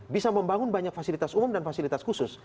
bisa membangun banyak fasilitas umum dan fasilitas khusus